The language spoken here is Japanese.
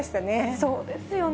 そうですよね。